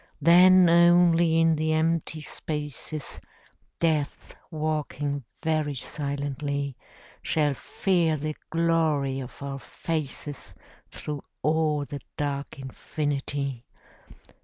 Then only in the empty spaces, Death, walking very silently, Shall fear the glory of our faces Through all the dark infinity.